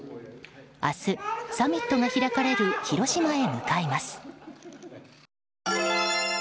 明日、サミットが開かれる広島へ向かいます。